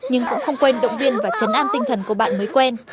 nhưng cũng không quên động viên và chấn an tinh thần của bạn mới quen